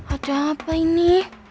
ada apa ini